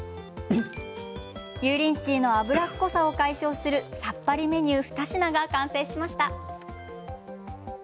油淋鶏の脂っこさを解消するさっぱりメニュー２品が完成しました。